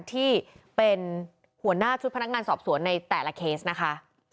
ที่เป็นหัวหน้าชุดพนักงานสอบสวนในแต่ละเคสนะคะ